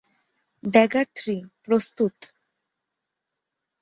Dagger three, প্রস্তুত।